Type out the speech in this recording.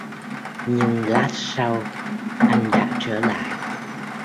Nhưng lát sau anh đã trở lại